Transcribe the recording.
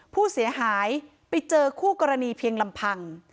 ผู้เสียหายไปเจอคู่กรณีเพียงลำพัง